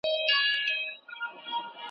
ابليس وركړله پر مخ څپېړه كلكه .